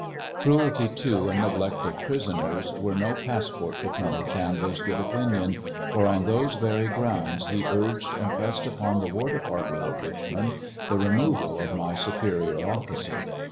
Cruelty to and neglect of prisoners were no pass port to Colonel Chandler's good opinion, for on those very grounds he urged and pressed upon the war department at Bichmond the removal of my superior officer.